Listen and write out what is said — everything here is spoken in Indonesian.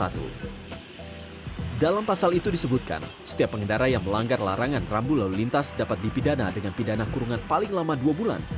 dalam pasal itu disebutkan setiap pengendara yang melanggar larangan rambu lalu lintas dapat dipidana dengan pidana kurungan paling lama dua bulan